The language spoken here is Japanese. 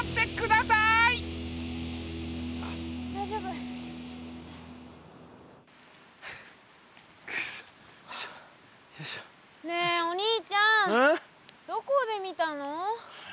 だいじょうぶ？ねえお兄ちゃんどこで見たの？